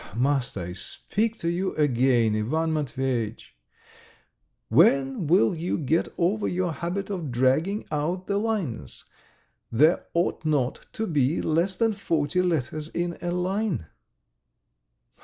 "Must I speak to you again, Ivan Matveyitch? When will you get over your habit of dragging out the lines? There ought not to be less than forty letters in a line."